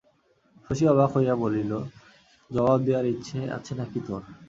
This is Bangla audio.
শশী অবাক হইয়া বলিল, জবাব দেয়ার ইচ্ছে আছে নাকি তোর?